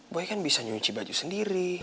gue kan bisa nyuci baju sendiri